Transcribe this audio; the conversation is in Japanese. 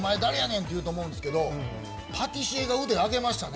って言うと思うんですけどパティシエが腕上げましたね。